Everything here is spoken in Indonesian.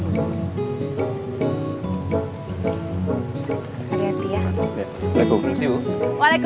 masud itu dia anak anak youkai apa wanita